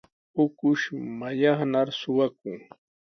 Ukush mallaqnar suqakun.